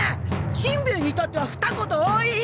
しんべヱにいたってはふた言多い！